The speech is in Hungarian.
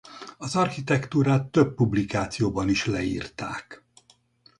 Az architektúrát több publikációban is leírták.